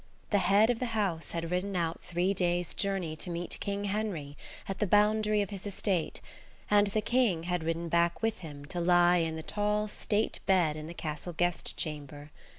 The head of the house had ridden out three days' journey to meet King Henry at the boundary of his estate, and the King had ridden back with him to lie in the tall State bed in the castle guest chamber.